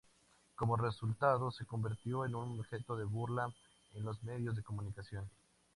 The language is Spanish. Como resultado, se convirtió en un objeto de burla en los medios de comunicación.